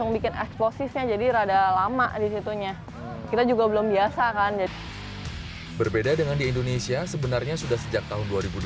berbeda dengan di indonesia sebenarnya sudah sejak tahun dua ribu delapan